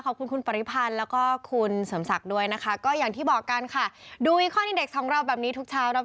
ก็ปีหน้าก็ต้องวางกระลื้อกันดีอีกหนึ่งครั้งนะครับ